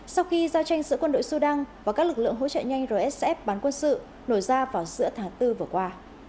sau khi giao tranh giữa quân đội sudan và các lực lượng hỗ trợ nhanh rsf bán quân sự nổi ra vào giữa tháng bốn vừa qua